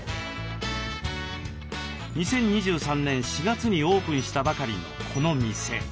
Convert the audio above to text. ２０２３年４月にオープンしたばかりのこの店。